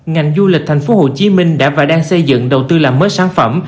ngành du lịch tp hcm đã và đang xây dựng đầu tư làm mới sản phẩm